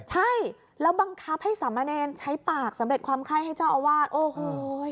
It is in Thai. ใช่แล้วบังคับให้สามเณรใช้ปากสำเร็จความไข้ให้เจ้าอาวาสโอ้โห